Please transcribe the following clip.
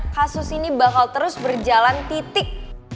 kasus ini bakal terus berjalan titik